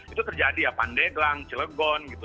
itu terjadi ya pandeglang cilegon gitu